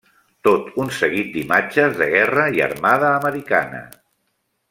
Tot un seguit d’imatges de guerra i armada americana.